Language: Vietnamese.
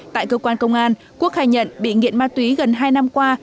tại cơ quan công an quốc khai nhận bị nghiện ma túy gần hai năm qua